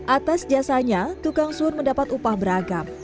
atas jasanya tukang sun mendapat upah beragam